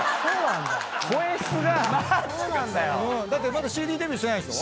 まだＣＤデビューしてないでしょ？